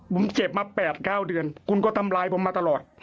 ผมเจ็บมา๘๙เดือนคุณก็ทำร้ายผมมาตลอด